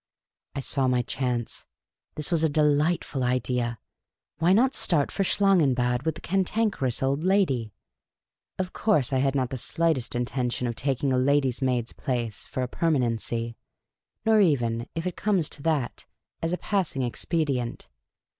I saw my chance. This was a delightful idea. Why not start for Schlangenbad with the Cantankerous Old Lady ? Of course, I had not the slightest intention of taking a lady's maid's place for a permanency. Nor even, if it comes to that, as a passing expedient.